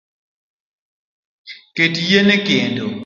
Ket yien ekendo